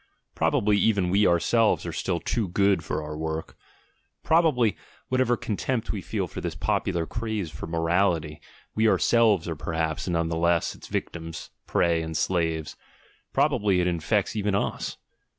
Probably even we ourselves are still "too good" for our work; probably, whatever contempt we feel for this popular craze for morality, we ourselves are perhaps none the less its victims, prey, and slaves; probably it infects even us.